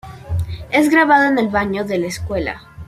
Es grabado en el baño de la escuela.